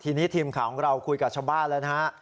ทีนี้ทีมข่าวของเราคุยกับชาวบ้านแล้วนะฮะ